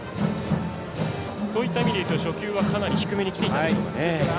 そういった意味でいくと初球はかなり低めにきていたでしょうかね。